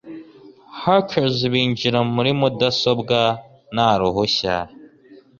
Hackers binjira muri mudasobwa nta ruhushya